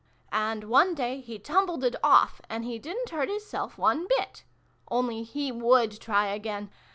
And one day he tumbleded off, and he didn't hurt his self one bit. Only he would try again.